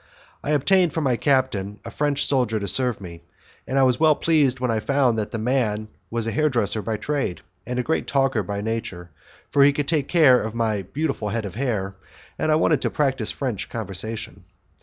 I obtained from my captain a French soldier to serve me, and I was well pleased when I found that the man was a hairdresser by trade, and a great talker by nature, for he could take care of my beautiful head of hair, and I wanted to practise French conversation.